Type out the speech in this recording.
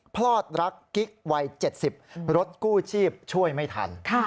พลอดรักกิ๊กวัย๗๐รถกู้ชีพช่วยไม่ทัน